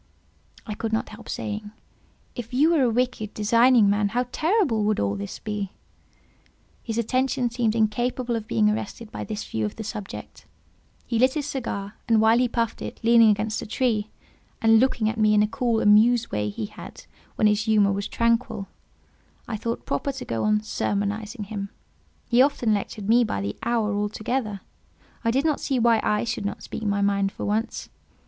I could not help saying, "If you were a wicked, designing man, how terrible would all this be!" His attention seemed incapable of being arrested by this view of the subject: he lit his cigar, and while he puffed it, leaning against a tree, and looking at me in a cool, amused way he had when his humour was tranquil, I thought proper to go on sermonizing him: he often lectured me by the hour together—I did not see why I should not speak my mind for once.